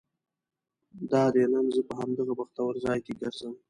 دادی نن زه په همدغه بختور ځای کې ګرځم.